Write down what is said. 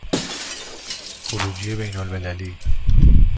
خروجی بین المللی